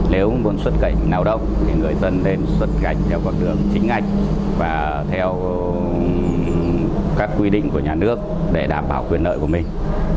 nếu muốn xuất cảnh nào động thì người dân nên xuất cảnh theo con đường chính ngạch và theo các quy định của nhà nước để đảm bảo quyền lợi của mình